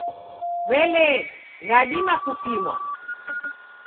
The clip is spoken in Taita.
W'elee, ghadima kupimwa?